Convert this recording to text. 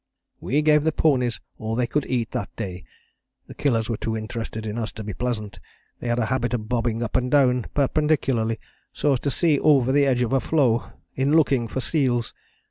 "We gave the ponies all they could eat that day. The Killers were too interested in us to be pleasant. They had a habit of bobbing up and down perpendicularly, so as to see over the edge of a floe, in looking for seals.